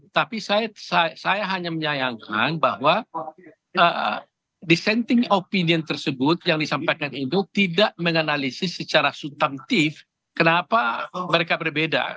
tapi saya hanya menyayangkan bahwa dissenting opinion tersebut yang disampaikan itu tidak menganalisis secara subtantif kenapa mereka berbeda